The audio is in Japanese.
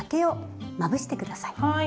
はい。